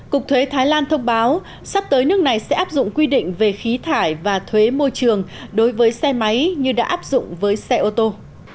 cục thuế thái lan thông báo sắp tới nước này sẽ áp dụng quy định về khí thải và thuế môi trường đối với xe máy như đã áp dụng với xe ô tô